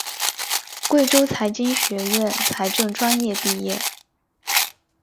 贵州财经学院财政专业毕业。